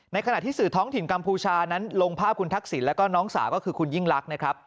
ขณะที่สื่อท้องถิ่นกัมพูชานั้นลงภาพคุณทักษิณแล้วก็น้องสาวก็คือคุณยิ่งลักษณ์นะครับ